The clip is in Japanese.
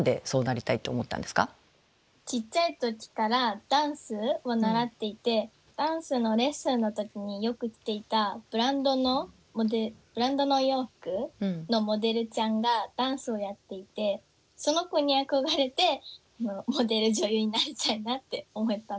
ちっちゃい時からダンスを習っていてダンスのレッスンの時によく着ていたブランドのお洋服のモデルちゃんがダンスをやっていてその子に憧れてモデル女優になりたいなって思ったのがきっかけです。